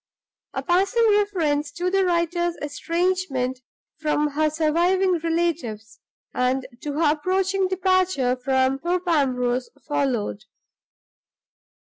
A passing reference to the writer's estrangement from her surviving relatives, and to her approaching departure from Thorpe Ambrose, followed.